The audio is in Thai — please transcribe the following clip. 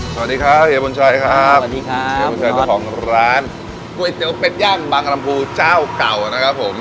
สวัสดีครับเฮียบนชัยครับสวัสดีครับของร้านก๋วยเตี๋ยวเป็ดย่างบังรัมภูเจ้าเก่านะครับผม